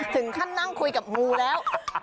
ถึงขั้นนั่งคุยกับงูแล้ว